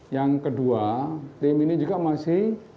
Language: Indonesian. yang kedua tim ini juga masih